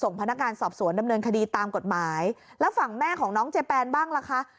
พนักงานสอบสวนดำเนินคดีตามกฎหมายแล้วฝั่งแม่ของน้องเจแปนบ้างล่ะคะ